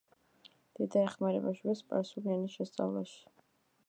დედა ეხმარება შვილს სპარსული ენის შესწავლაში.